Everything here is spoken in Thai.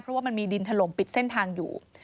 เพราะว่ามันมีดินถล่มปิดเส้นทางอยู่